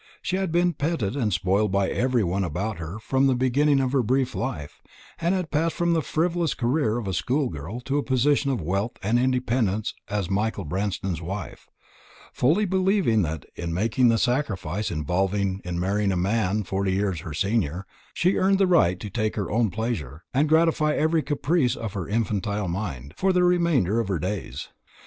She had been petted and spoiled by everyone about her from the beginning of her brief life, and had passed from the frivolous career of a school girl to a position of wealth and independence as Michael Branston's wife; fully believing that, in making the sacrifice involved in marrying a man forty years her senior, she earned the right to take her own pleasure, and to gratify every caprice of her infantile mind, for the remainder of her days.